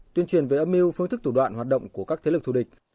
tuyên truyền về âm mưu phương thức thủ đoạn hoạt động của các thế lực thù địch